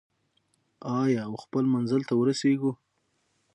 آیا او خپل منزل ته ورسیږو؟